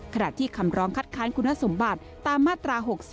ที่คำร้องคัดค้านคุณสมบัติตามมาตรา๖๐